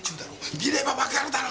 見ればわかるだろ！